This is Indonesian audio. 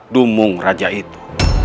dumung raja itu